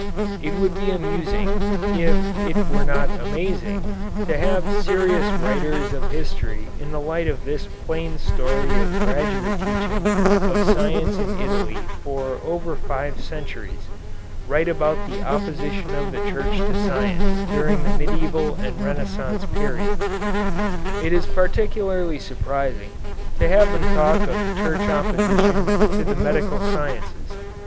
It would be amusing, if it were not amazing, to have serious writers of history in the light of this plain story of graduate teaching of science in Italy for over five centuries, write about the opposition of the Church to science during the Medieval and Renaissance periods. It is particularly surprising to have them talk of Church opposition to the medical sciences.